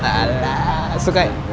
alah suka ya